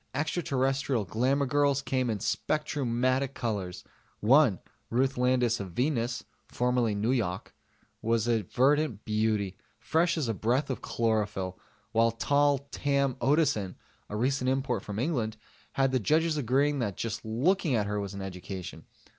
Extraterrestrial glamour girls came in spectrumatic colors: one, Ruth Landis of Venus (formerly Nuyok), was a verdant beauty, fresh as a breath of chlorophyll; while tall Tam Otteson, a recent import from England, had the judges agreeing that just looking at her was an education.